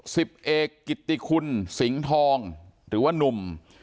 สิบเอกกิติคุณสิงห์ทองหรือว่านุ่ม